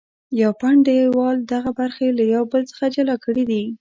یو پنډ دیوال دغه برخې له یو بل څخه جلا کړې دي.